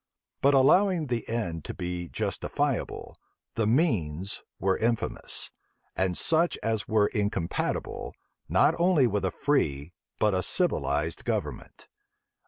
But allowing the end to be justifiable, the means were infamous; and such as were incompatible, not only with a free, but a civilized government.